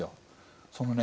そのね